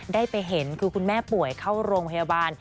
ได้ไปเห็นคือคุณแม่ป่วยเข้าโรงพยาบาล